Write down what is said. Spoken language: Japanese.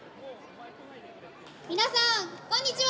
皆さんこんにちは。